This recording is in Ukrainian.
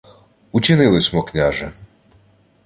— Учинили смо, княже.